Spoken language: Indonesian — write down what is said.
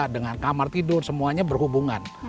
dengan kamar tidur semuanya berhubungan